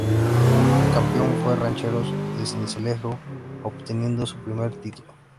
El campeón fue Rancheros de Sincelejo obteniendo su primer título.